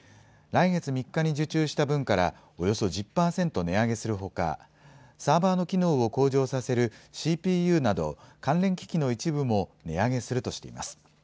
来月３日に受注した分からおよそ１０％値上げするほか、サーバーの機能を向上させるＣＰＵなど、関連機器の一部も値上げするとしています。